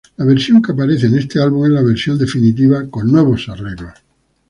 La versión que aparece en este álbum es la versión definitiva con nuevos arreglos.